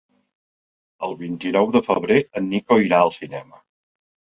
El vint-i-nou de febrer en Nico irà al cinema.